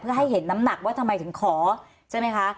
เพื่อให้เห็นน้ำหนักว่าทำไมถึงขอใช่ไหมคะ